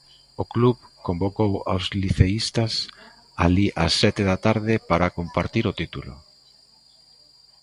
O club convocou aos liceístas alí ás sete da tarde para compartir o título.